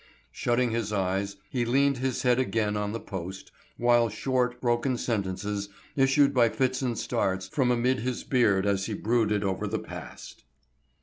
Shutting his eyes, he leaned his head again on the post, while short, broken sentences issued by fits and starts from amid his beard as he brooded over the past.